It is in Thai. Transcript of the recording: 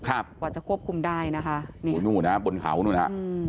กว่าจะควบคุมได้นะคะนี่นู่นฮะบนเขานู่นฮะอืม